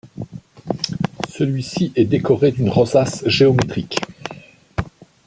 Celui-ci est décoré d'une rosace géométrique.